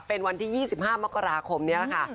เป็นวันที่๒๕มกราคมนี้แหละค่ะ